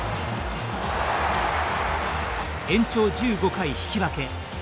延長１５回引き分け。